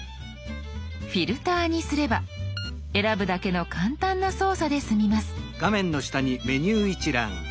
「フィルター」にすれば選ぶだけの簡単な操作で済みます。